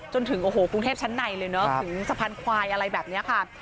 จนถึงโอ้โหกรุงเทพชั้นในเลยเนอะถึงสะพานควายอะไรแบบนี้ค่ะ